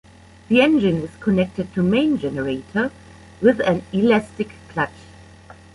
The engine is connected to main generator with an elastic clutch.